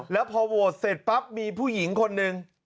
แล้วพอโหวตเสร็จปั๊บมีผู้หญิงคนหนึ่ง